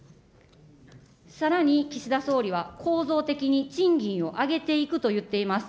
さらに、岸田総理は構造的に賃金を上げていくと言っています。